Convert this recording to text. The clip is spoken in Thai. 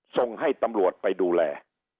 ส่งให้ตำรวจไปดูแล